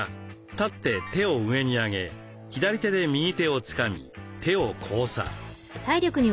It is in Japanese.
立って手を上に上げ左手で右手をつかみ手を交差。